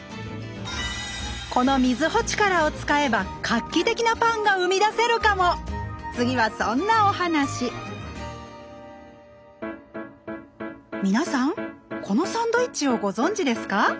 このミズホチカラを使えば画期的なパンが生み出せるかも⁉次はそんなお話皆さんこのサンドイッチをご存じですか？